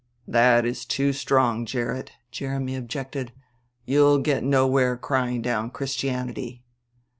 "That is too strong, Gerrit," Jeremy objected. "You'll get nowhere crying down Christianity."